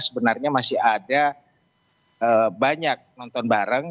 sebenarnya masih ada banyak nonton bareng